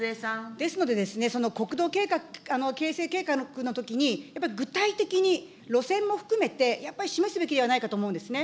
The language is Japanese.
ですので、その国土形成計画のときにやっぱり具体的に路線も含めて、やっぱり、示すべきではないかと思うんですね。